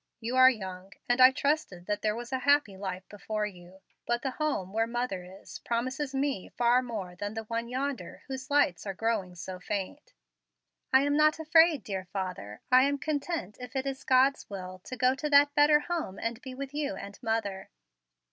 You are young, and I trusted that there was a happy life before you. But the home where mother is promises me far more than the one yonder, whose lights are growing so faint." "I am not afraid, dear father. I am content, if it's God's will, to go to that better home and be with you and mother."